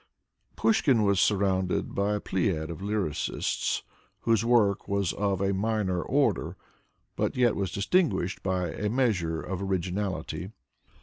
Pushkin was surrounded by a Pleiad of lyricists, whose work was of a minor order, but was yet distinguished by a measure of originality.